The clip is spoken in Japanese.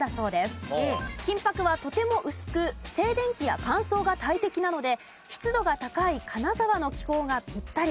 金箔はとても薄く静電気や乾燥が大敵なので湿度が高い金沢の気候がピッタリ。